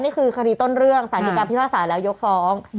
นี่คือคดีต้นเรื่องสารดีการพิพากษาแล้วยกฟ้อง